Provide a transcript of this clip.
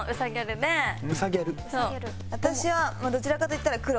私はどちらかといったら黒。